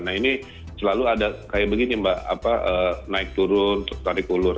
nah ini selalu ada kayak begini mbak naik turun tarik ulur